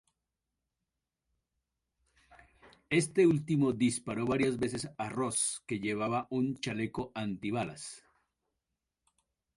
Este último disparó varias veces a Ross, que llevaba un chaleco antibalas.